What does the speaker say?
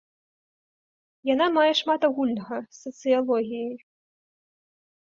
Яна мае шмат агульнага з сацыялогіяй.